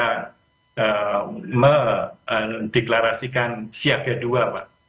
untuk deklarasikan siaga dua pak